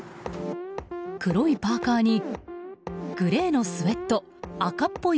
黒いパーカにグレーのスウェット赤っぽい